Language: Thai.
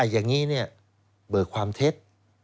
อย่างนี้เบิกความเท็จ